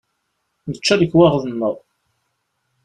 Nečča lekwaɣeḍ-nneɣ.